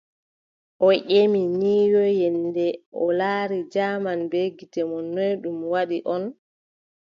O ƴemi ni yo, yennde o laari jaman bee gite mon ,noy ɗum waɗi on ?